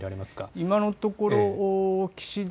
今のところ岸田